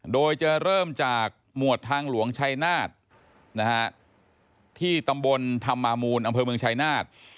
โดยจะเริ่มจากหมวดทางหลวงชัยนาฏที่ตำบลธรรมามูลอำเภอเมืองชายนาฏ